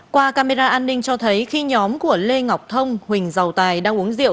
qua camera an ninh cho thấy khi nhóm của lê ngọc thông huỳnh giàu tài đang uống rượu